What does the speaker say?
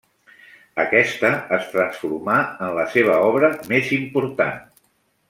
Aquesta es transformà en la seva obra més important.